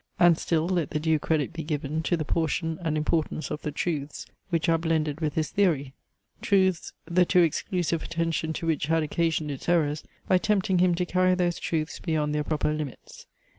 And still let the due credit be given to the portion and importance of the truths, which are blended with his theory; truths, the too exclusive attention to which had occasioned its errors, by tempting him to carry those truths beyond their proper limits.